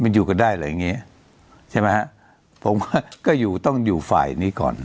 มันอยู่กันได้อะไรอย่างนี้ใช่ไหมฮะผมว่าก็อยู่ต้องอยู่ฝ่ายนี้ก่อน